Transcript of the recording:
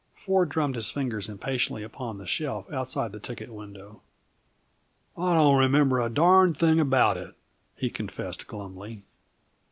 Ford drummed his fingers impatiently upon the shelf outside the ticket window. "I don't remember a darned thing about it," he confessed glumly.